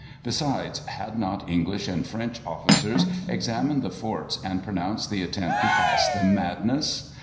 Besides, had not English and French officers examined the forts and pronounced the attempt to pass them madness?